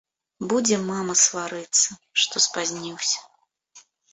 Будзе мама сварыцца, што спазніўся.